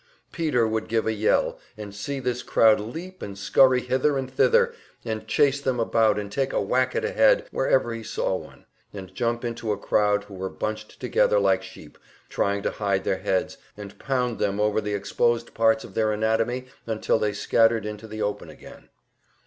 Peter would give a yell, and see this crowd leap and scurry hither and thither, and chase them about and take a whack at a head wherever he saw one, and jump into a crowd who were bunched together like sheep, trying to hide their heads, and pound them over the exposed parts of their anatomy until they scattered into the open again.